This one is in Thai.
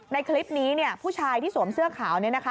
ในคลิปนี้ผู้ชายที่สวมเสื้อขาว